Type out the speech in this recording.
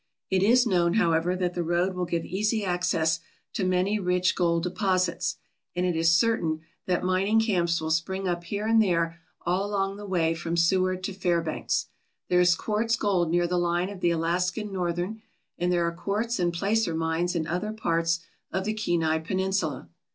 It is known, however, that the road will give easy access to many rich gold deposits, and it is certain that mining 277 ALASKA OUR NORTHERN WONDERLAND camps will spring up here and there all along the way from Seward to Fairbanks. There is quartz gold near the line of the Alaska Northern, and there are quartz and placer mines in other parts of the Kenai Peninsula.